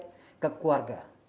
kita intercept ke keluarga